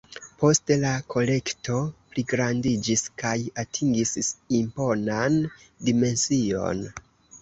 Poste la kolekto pligrandiĝis kaj atingis imponan dimension.